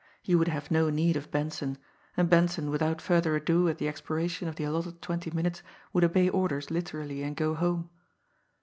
He would have no need of Benson, and Benson without further ado at the expiration of the allotted twenty minutes would obey orders literally and go home.